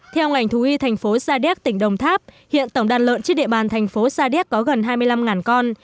theo ngành thú y thành phố sa đéc tỉnh đồng tháp hiện tổng đàn lợn trên địa bàn thành phố sa điếc có gần hai mươi năm con